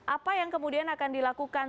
apa yang kemudian akan dilakukan